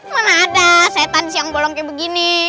mana ada setan siang bolong kayak begini